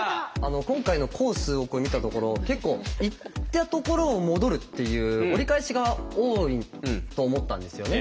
今回のコースを見たところ結構行ったところを戻るっていう折り返しが多いと思ったんですよね。